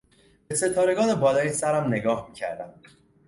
به ستارگان بالای سرم نگاه میکردم.